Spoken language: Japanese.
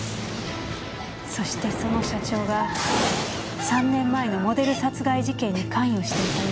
そしてその社長が３年前のモデル殺害事件に関与していた疑いも。